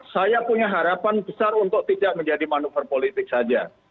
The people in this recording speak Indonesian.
saya punya harapan besar untuk tidak menjadi manuver politik saja